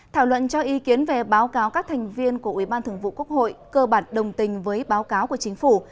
thảo luận cho ý kiến về báo cáo các thành viên của ủy ban thường vụ quốc hội cơ bản đồng tình với báo cáo của chính phủ